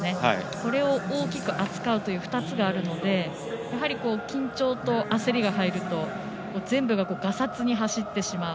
これを大きく扱うという２つがあるのでやはり、緊張と焦りが入ると全部ががさつに走ってしまう。